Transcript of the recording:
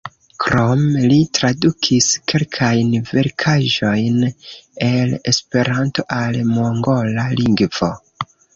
Krome li tradukis kelkajn verkaĵojn el Esperanto al mongola lingvo.